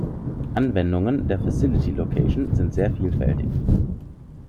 Anwendungen der "Facility-Location" sind sehr vielfältig.